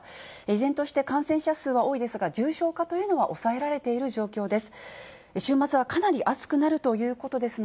依然として感染者数は多いですが、重症化というのは抑えられている状況です。